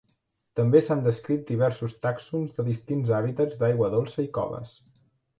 També s'han descrit diversos tàxons de distints hàbitats d'aigua dolça i coves.